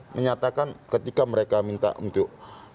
menyatakan ketika mereka minta untuk